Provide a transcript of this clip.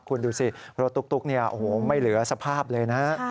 คุณดูสิเพราะว่าตุ๊กไม่เหลือสภาพเลยนะ